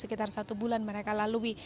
sekitar satu bulan mereka lalui